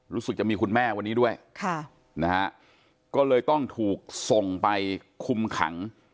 รู้สึกจะมีคุณแม่วันนี้ด้วยก็เลยต้องถูกส่งไปคุมขัง